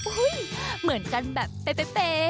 เหมือนกันแบบเป๊ะ